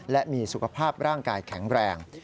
และมีสุขภาพร่างกายแข็งแรง